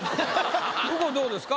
右近どうですか？